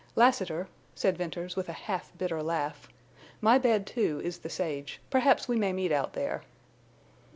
"Lassiter," said Venters, with a half bitter laugh, "my bed too, is the sage. Perhaps we may meet out there."